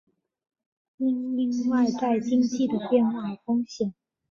因应外在经济的变化和风险